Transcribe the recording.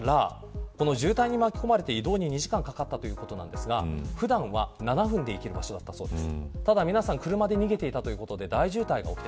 そうしたら渋滞に巻き込まれて移動に２時間かかったということですが普段は７分で行ける場所だったそうです。